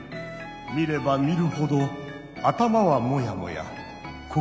見れば見るほど頭はモヤモヤ心もモヤモヤ。